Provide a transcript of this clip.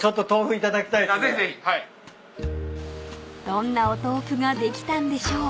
［どんなお豆腐ができたんでしょう］